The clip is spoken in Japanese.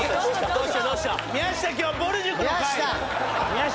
宮下